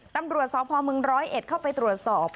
ตำรวจสอบภอมึง๑๐๑เข้าไปตรวจสอบ